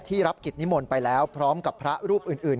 รับกิจนิมนต์ไปแล้วพร้อมกับพระรูปอื่น